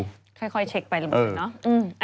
ค่อยเช็คไปละหมดเนอะ